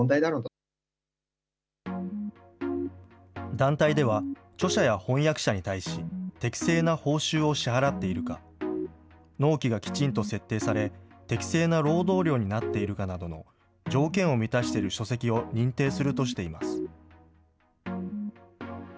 団体では、著者や翻訳者に対し適正な報酬を支払っているか、納期がきちんと設定され、適正な労働量になっているかなどの条件を満たしている書籍を認定するとしています。